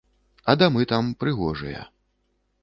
А дамы там, прыгожыя.